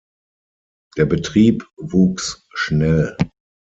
Der Betrieb wuchs schnell.